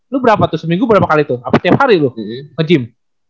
lu berapa tuh seminggu berapa kali tuh tiap hari lu nge gym